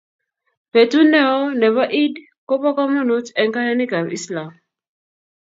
Betut neo nebo Eid kobo komonut eng kayaniikab Islam.